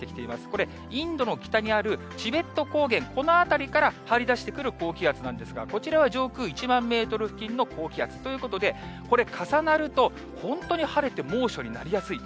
これ、インドの北にあるチベット高原、この辺りから張り出してくる高気圧なんですが、こちらは上空１万メートル付近の高気圧ということで、これ、重なると、本当に晴れて猛暑になりやすい。